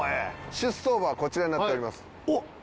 出走馬はこちらになっております。